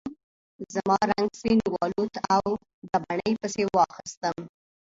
زما رنګ سپین والوت او ګبڼۍ پسې واخیستم.